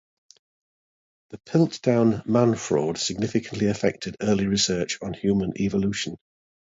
The Piltdown Man fraud significantly affected early research on human evolution.